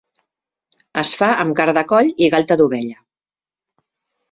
Es fa amb carn de coll i galta d'ovella.